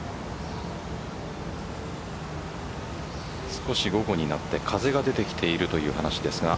少し午後になって風が出てきているという話ですが。